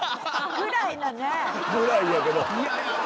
ぐらいやけど。